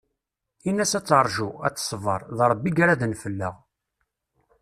In-as ad terju, ad teṣber, d Rebbi i iraden fell-aɣ.